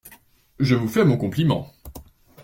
Je vous fais mon compliment.